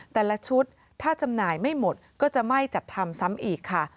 แต่ละชุดถ้าจำหน่ายไม่หมดก็จะไม่จัดทำซ้ำอีกค่ะ